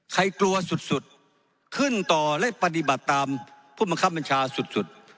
ใครกลัวสุดสุดขึ้นต่อและปฏิบัติตามผู้มันคับบัญชาสุดสุด